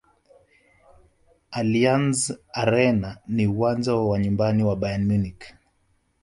allianz arena ni uwanja wa nyumbani wa bayern munich